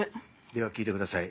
では聴いてください。